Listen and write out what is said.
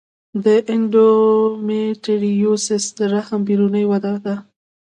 د انډومیټریوسس د رحم بیروني وده ده.